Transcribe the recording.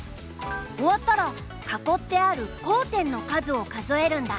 終わったら囲ってある交点の数を数えるんだ。